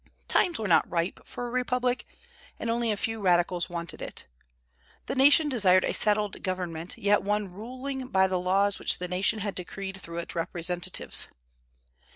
Times were not ripe for a republic, and only a few radicals wanted it. The nation desired a settled government, yet one ruling by the laws which the nation had decreed through its representatives.